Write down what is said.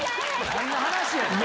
何の話やねん！